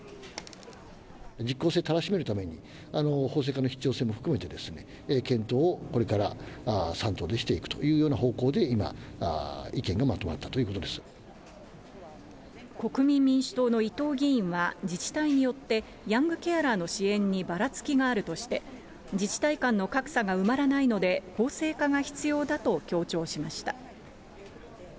実効性たらしめるために、法制化の必要性も含めて、検討をこれから３党でしていくというような方向で今、国民民主党の伊藤議員は、自治体によってヤングケアラーの支援にばらつきがあるとして、自治体間の格差が埋まらないので法制化が必要だと強調しました。